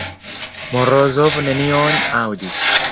Morozov nenion aŭdis.